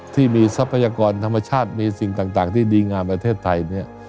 ที่มีทรัพยากรธรรมชาติมีสิ่งต่างที่ดีงามประเทศไทย